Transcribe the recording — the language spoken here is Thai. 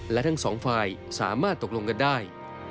และทั้งสองฝ่ายสามารถตกลงกันได้